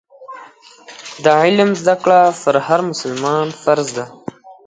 د علم زده کړه پر هر مسلمان فرض ده.